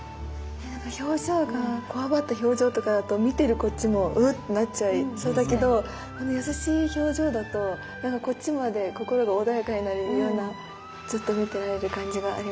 表情がこわばった表情とかだと見てるこっちもうっなっちゃいそうだけどこの優しい表情だとこっちまで心が穏やかになるようなそうですよね。